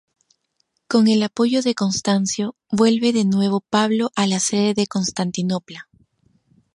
Con el apoyo de Constancio vuelve de nuevo Pablo a la sede de Constantinopla.